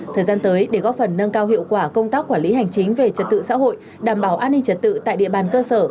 thời gian tới để góp phần nâng cao hiệu quả công tác quản lý hành chính về trật tự xã hội đảm bảo an ninh trật tự tại địa bàn cơ sở